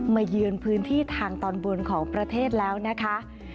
เยือนพื้นที่ทางตอนบนของประเทศแล้วนะคะ